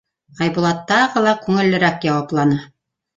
Айбулат тағы ла күңеллерәк яуапланы: